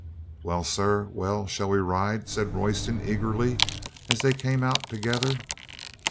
"Well, sir, well, shall we ride?" said Royston eagerly, as they came out together.